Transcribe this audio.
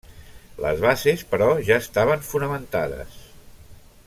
Les bases, però, ja estaven fonamentades.